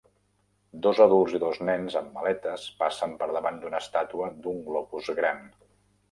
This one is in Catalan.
Dos adults i dos nens amb maletes passen per davant d"una estàtua d"un globus gran.